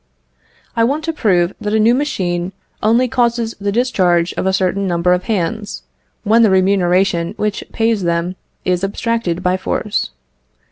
I want to prove that a new machine only causes the discharge of a certain number of hands, when the remuneration which pays them is abstracted by force.